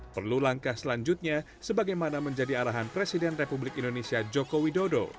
perlu langkah selanjutnya sebagaimana menjadi arahan presiden republik indonesia joko widodo